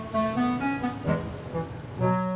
ya aku mau